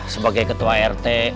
sebagai ketua rete